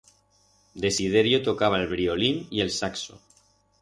Desiderio tocaba el vriolín y el saxo.